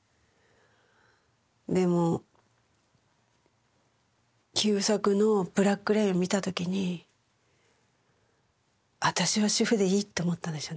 でも優作の「ブラック・レイン」を見た時に私は主婦でいいって思ったんですよね